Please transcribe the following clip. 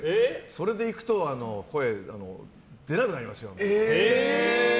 それでいくと声、出なくなりますよって。